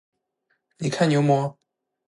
你看牛魔？